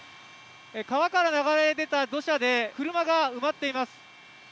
川から流れ出た土砂で車が埋まっています。